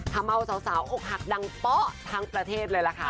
ทำเอาสาวอกหักดังเป๊ะทั้งประเทศเลยล่ะค่ะ